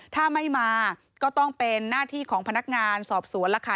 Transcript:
ถ้าไม่มาก็ต้องเป็นหน้าที่ของพนักงานสอบสวนล่ะค่ะ